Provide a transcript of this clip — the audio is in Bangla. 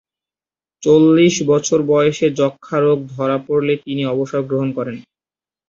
চল্লিশ বছর বয়সে যক্ষা রোগ ধরা পড়লে তিনি অবসর গ্রহণ করেন।